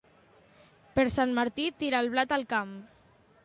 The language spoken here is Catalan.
Per Sant Martí, tira el blat al camp.